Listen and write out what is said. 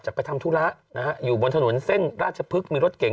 จับไปทำธุระอยู่บนถนนเส้นราชพึกมีรถเก๋น